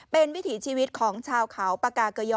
เป็นวิถีชีวิตของชาวเขาปากาเกยอ